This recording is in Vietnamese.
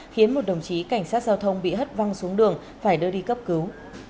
khiến một đồng chí cảnh sát giao thông bị hất văng xuống đường phải đưa đi cấp cứu